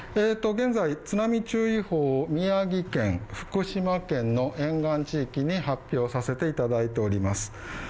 現在、津波注意報宮城県、福島県の沿岸地域に発表させていただいております。